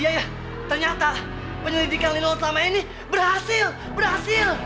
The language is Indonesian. iya iya ternyata penyelidikan lino selama ini berhasil berhasil